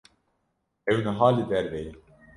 Ew niha li derve ye.